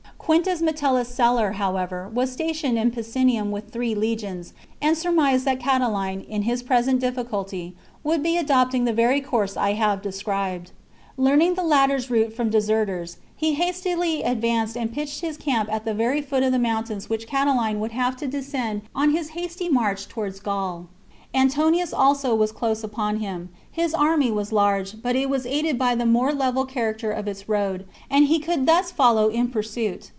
Quintus Me tellus Celer, however, was stationed in Picenum with three legions, and surmised that Catiline, in his present difficulty, would be adopting the very course I have described. Learning the latter's route from deserters, LVII. LVIII. 58 THE CONSPIRACY OF CATILINE. CHAP, he hastily advanced and pitched his camp at the very foot of the mountains which Catiline would have to descend on his hasty march towards Gaul. Antonius also was close upon him ; his army was large, but it was aided by the more level character of its road, and he could thus follow in pursuit.